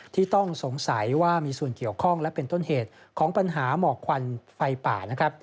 ที่ต้องสงสัยว่ามีส่วนเกี่ยวข้องและเป็นต้นเหตุของปัญหาหมอกควันไฟป่านะครับ